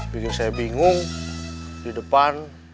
jujur saya bingung di depan